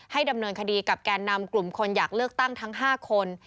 ดำเนินคดีกับแก่นำกลุ่มคนอยากเลือกตั้งทั้ง๕คน